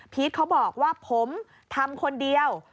เขาบอกว่าผมทำคนเดียว